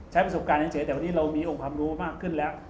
ประสบการณ์เฉยแต่วันนี้เรามีองค์ความรู้มากขึ้นแล้ว